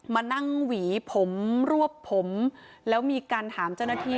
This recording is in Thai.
มานั่งหวีผมรวบผมแล้วมีการถามเจ้าหน้าที่